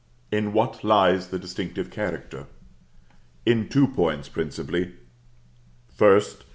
In what lies the distinctive character? In two points, principally: First.